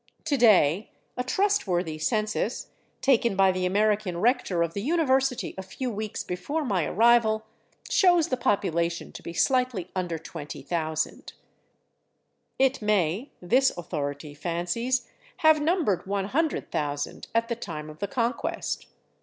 To day a trustworthy census, taken by the American rector of the university a few weeks before my arrival, shows the population to be slightly under 20,000. It may, this authority fancies, have numbered 100,000 at the time of the Conquest.